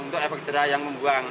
untuk efek jerah yang membuang